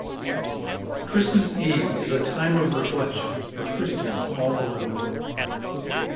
Christmas Eve is a time of reflection for Christians all over the world.